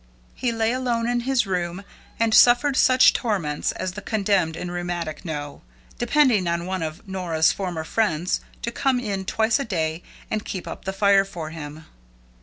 He lay alone in his room and suffered such torments as the condemned and rheumatic know, depending on one of Nora's former friends to come in twice a day and keep up the fire for him.